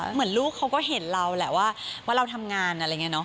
เหมือนลูกเขาก็เห็นเราแหละว่าเราทำงานอะไรอย่างนี้เนาะ